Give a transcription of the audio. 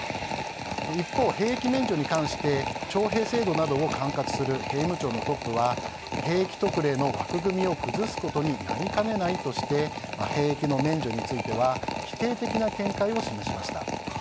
一方、兵役免除に関して徴兵制度を管轄する兵務庁のトップは、兵役特例の枠組みを崩すことになりかねないとして兵役の免除については否定的な見解を示しました。